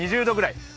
２０度ぐらい。